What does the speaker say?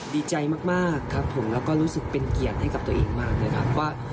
ดีใจมากครับผมแล้วก็รู้สึกเป็นเกียรติให้กับตัวเองมากนะครับว่า